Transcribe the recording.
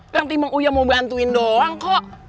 kan tiba tiba uya mau bantuin doang kok